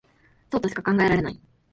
そうとしか考えられない